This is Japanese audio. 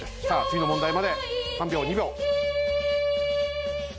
さあ次の問題まで３秒２秒。